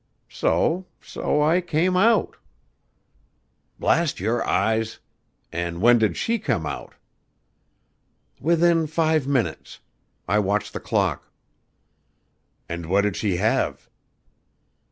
So so, I came out." "Blast your eyes! And when did she come out?" "Within five minutes. I watched the clock." "And what did she have?"